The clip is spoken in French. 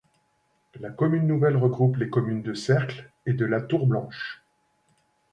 La commune nouvelle regroupe les communes de Cercles et de La Tour-Blanche.